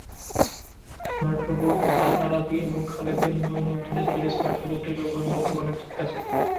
Smart রোবটআলআরাবি এবং খালেদ বিন মইনুদ্দিনের তৈরি স্মার্ট রোবটটির ব্যবহার মূলত বাণিজ্যিক কাজে।